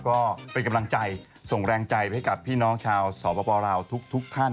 ก็เป็นกำลังใจส่งแรงใจไปให้กับพี่น้องชาวสวปปลาวทุกท่าน